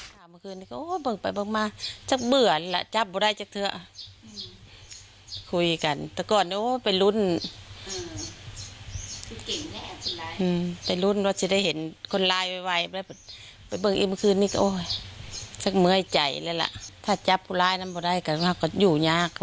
ฮวงรู้นี่ก็กังวลจะมาจับไปเหมือนซุ่มพู